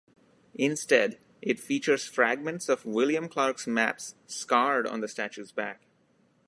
Instead, it features fragments of William Clark's maps "scarred" on the statue's back.